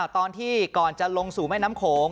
ตอนที่ก่อนจะลงสู่แม่น้ำโขง